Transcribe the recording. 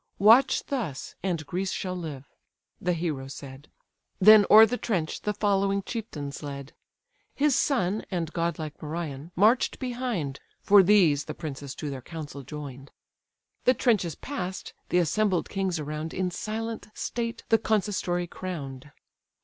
Watch thus, and Greece shall live." The hero said; Then o'er the trench the following chieftains led. His son, and godlike Merion, march'd behind (For these the princes to their council join'd). The trenches pass'd, the assembled kings around In silent state the consistory crown'd.